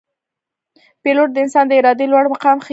پیلوټ د انسان د ارادې لوړ مقام ښيي.